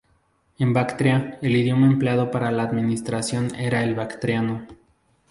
En Bactria, el idioma empleado para la administración era el bactriano.